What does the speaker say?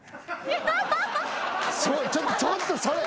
ちょっとそれ。